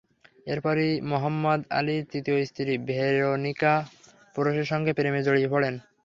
এরপরই Muhammad Ali তৃতীয় স্ত্রী ভেরোনিকা পোরশের সঙ্গে প্রেমে জড়িয়ে পড়েন।